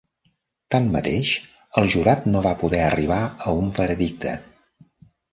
Tanmateix, el jurat no va poder arribar a un veredicte.